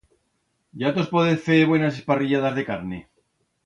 Ya tos podez fer buenas esparrilladas de carne.